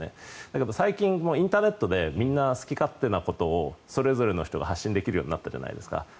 だけど、最近インターネットでみんな好き勝手なことをそれぞれの人が発信できるようになったじゃないですか。